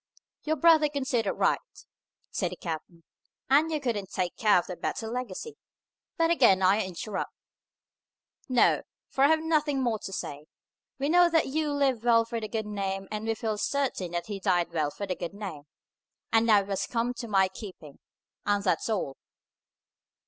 "Your brother considered right," said the captain; "and you couldn't take care of a better legacy. But again I interrupt." "No; for I have nothing more to say. We know that Hugh lived well for the good name, and we feel certain that he died well for the good name. And now it has come into my keeping. And that's all."